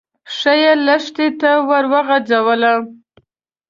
پښه يې لښتي ته ور وغځوله.